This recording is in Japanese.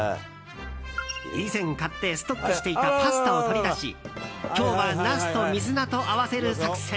以前買って、ストックしていたパスタを取り出し今日はナスと水菜と合わせる作戦。